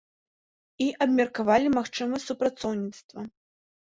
І абмеркавалі магчымасць супрацоўніцтва.